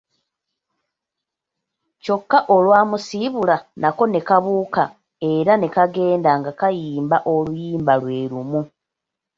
Kyokka olwamusiibula nako ne kabuuka era ne kagenda nga kayimba oluyimba lwe lumu.